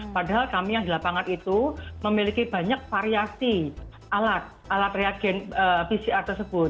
padahal kami yang di lapangan itu memiliki banyak variasi alat alat reagen pcr tersebut